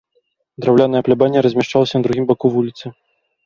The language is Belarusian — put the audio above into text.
Драўляная плябанія размяшчалася на другім баку вуліцы.